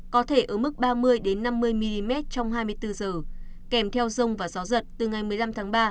có thể ở mức ba mươi năm mươi mm trong hai mươi bốn h kèm theo rông và gió giật từ ngày một mươi năm tháng ba